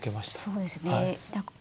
そうですね。